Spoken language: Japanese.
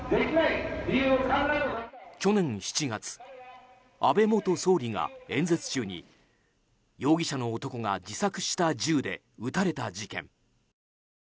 去年７月、安倍元総理が演説中に容疑者の男が自作した銃で撃たれた事件。